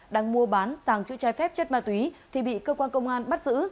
đang mua bán tàng chữ trái phép chất ma túy thì bị cơ quan công an bắt giữ